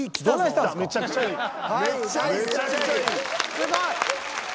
すごい。